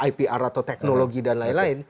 ipr atau teknologi dan lain lain